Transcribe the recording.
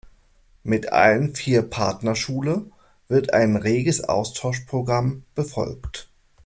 Mit allen vier Partnerschule wird ein reges Austauschprogramm befolgt.